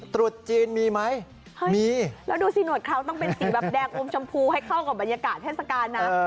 ตรุษจีนมีไหมมีแล้วดูสิหนวดเขาต้องเป็นสีแบบแดงอมชมพูให้เข้ากับบรรยากาศเทศกาลนะ